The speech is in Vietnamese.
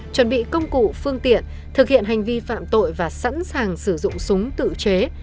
chuẩn bị công cụ phương tiện thực hiện hành vi phạm tội và sẵn sàng sử dụng súng tự chế